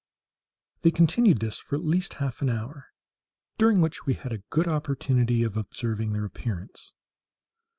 They continued this for at least half an hour, during which we had a good opportunity of observing their appearance.